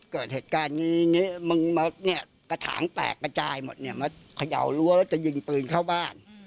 กระถางแตกกระจายหมดมันเขย่ารั้วแล้วจะยิงปืนเข้าบ้าน